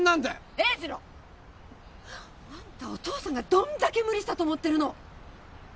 英二郎ッアンタお父さんがどれだけ無理したと思ってるの？